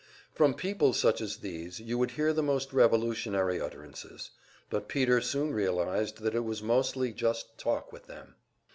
From people such as these you would hear the most revolutionary utterances; but Peter soon realized that it was mostly just talk with them.